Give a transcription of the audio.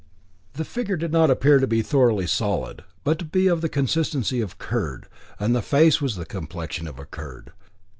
The figure did not appear to be thoroughly solid, but to be of the consistency of curd, and the face was of the complexion of curd.